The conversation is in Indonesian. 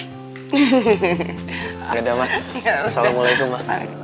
yaudah ma assalamualaikum ma